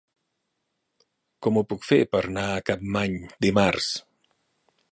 Com ho puc fer per anar a Capmany dimarts?